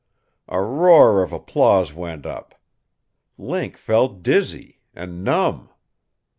A roar of applause went up. Link felt dizzy and numb.